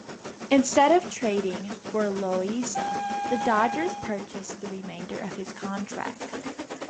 Instead of trading for Loaiza, the Dodgers purchased the remainder of his contract.